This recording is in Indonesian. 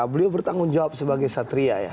beliau bertanggung jawab sebagai satria ya